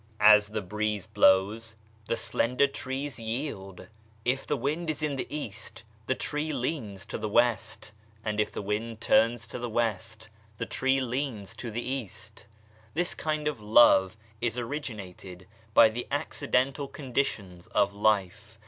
As the breeze blows, the slender trees yield. If the wind is in the East the tree leans to the West, and if the wind turns to the West the tree leans to the East. This kind of love is originated by the accidental conditions of life.